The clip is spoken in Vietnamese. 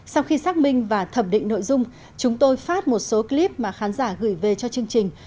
sau khi xác minh và thẩm định nội dung chúng tôi phát một số clip mà khán giả gửi về cho chương trình